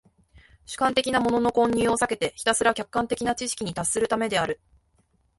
主観的なものの混入を避けてひたすら客観的な知識に達するためである。